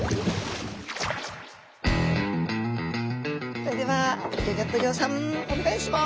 それではギョギョッと号さんお願いします！